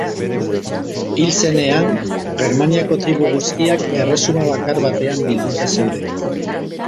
Hil zenean, Germaniako tribu guztiak erresuma bakar batean bilduta zeuden.